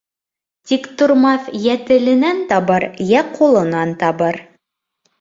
Тиктормаҫ йә теленән табыр, йә ҡулынан табыр.